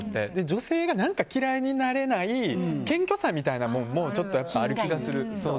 女性が何か嫌いになれない謙虚さみたいなものもちょっとある気がする。